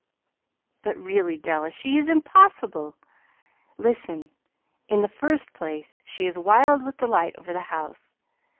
"But, really, Della, she is impossible. Listen. In the first place she is wild with delight over the house.